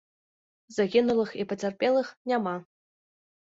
Загінулых і пацярпелых няма.